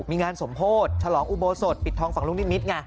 มีงานสมโพธิ์ชะลองอุโบสดปิดทองฟังลุ่งนิด